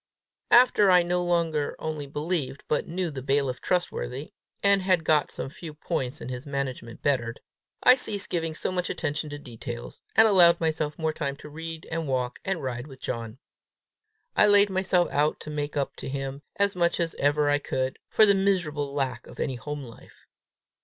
After I no longer only believed, but knew the bailiff trustworthy, and had got some few points in his management bettered, I ceased giving so much attention to details, and allowed myself more time to read and walk and ride with John. I laid myself out to make up to him, as much as ever I could, for the miserable lack of any home life.